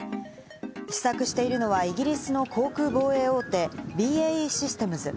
試作しているのは、イギリスの航空防衛大手・ＢＡＥシステムズ。